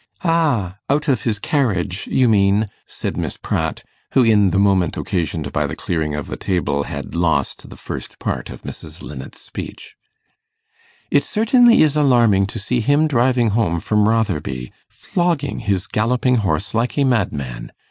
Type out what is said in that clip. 'Ah, out of his carriage, you mean,' said Miss Pratt, who, in the movement occasioned by the clearing of the table, had lost the first part of Mrs. Linnet's speech. 'It certainly is alarming to see him driving home from Rotherby, flogging his galloping horse like a madman.